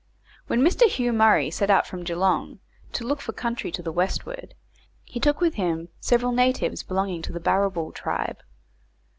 When Mr. Hugh Murray set out from Geelong to look for country to the westward, he took with him several natives belonging to the Barrabool tribe.